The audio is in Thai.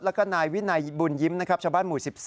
และก็นายวินายบุญยิ้มชาวบ้านหมู่๑๓